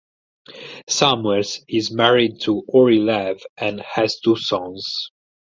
Samuels is married to Ori Lev and has two sons.